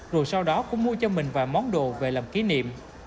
rồi sau đó cũng mua cho mình vài món đồ về làm kỷ niệm